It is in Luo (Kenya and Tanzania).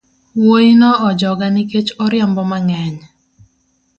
Wuoino ojogaa ni kech oriambo mangeny